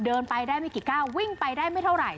เดินไปได้ไม่กี่ก้าววิ่งไปได้ไม่เท่าไหร่